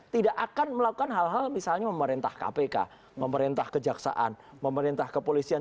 tidak akan melakukan hal hal misalnya memerintah kpk memerintah kejaksaan memerintah kepolisian